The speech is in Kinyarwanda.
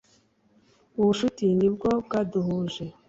ubushuti nibwo bwaduhuje